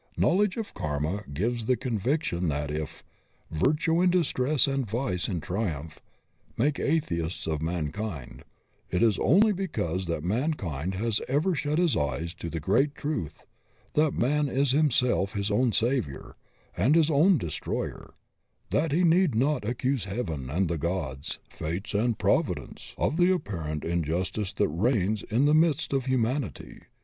... Knowledge of karma gives the convic tion that if — 'virtue in distress and vice in triumph Make atheists of Mankind', it is only because that mankind has ever shut its eyes to the great truth that man is himself his own saviour and his own destroyer; that he need not accuse heaven and the gods, fates and providence, of the apparent injustice that reigns in the midst of humanity.